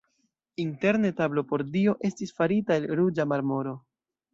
Interne tablo por Dio estis farita el ruĝa marmoro.